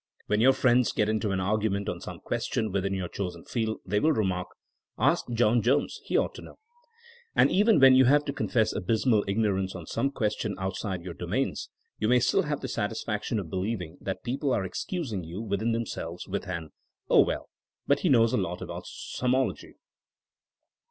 When your friends get into an argument on some ques tion within your chosen field they will remark, Ask John Jones. He ought to know.*' And even when you have to confess abysmal ignor ance on some question outside of your domains, you may still have the satisfaction of believing that people are excusing you within themselves with an 0h, well, but he knows a lot about someology.